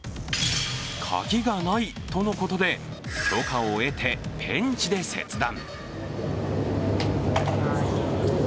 鍵がないとのことで許可を得てペンチで切断。